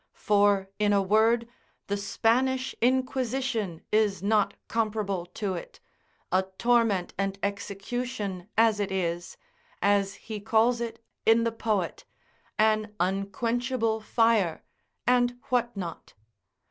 For in a word, the Spanish Inquisition is not comparable to it; a torment and execution as it is, as he calls it in the poet, an unquenchable fire, and what not?